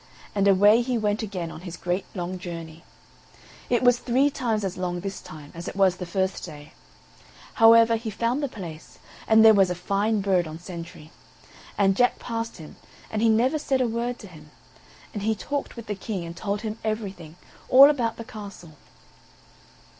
And away he went again on his great long journey; it was three times as long this time as it was the first day; however, he found the place, and there was a fine bird on sentry. And Jack passed him, and he never said a word to him; and he talked with the King, and told him everything, all about the castle.